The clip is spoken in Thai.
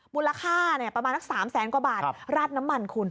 มูลค่าประมาณสัก๓แสนกว่าบาทราดน้ำมันคุณ